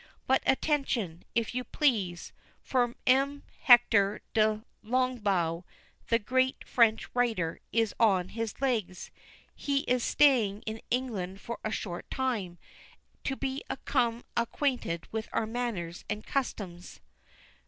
But attention, if you please! for M. Hector de Longuebeau, the great French writer, is on his legs. He is staying in England for a short time, to become acquainted with our manners and customs.